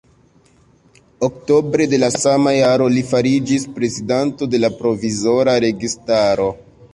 Oktobre de la sama jaro li fariĝis prezidanto de la provizora registaro.